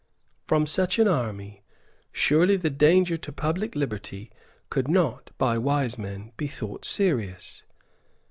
From such an army surely the danger to public liberty could not by wise men be thought serious.